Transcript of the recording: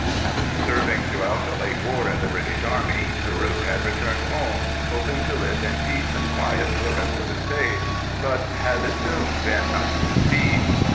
After serving throughout the late war in the British Army, Carew had returned home, hoping to live in peace and quiet for the rest of his days, but had soon been undeceived.